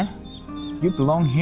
kamu berada di sini